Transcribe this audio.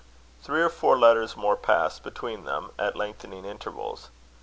Three or four letters more passed between them at lengthening intervals.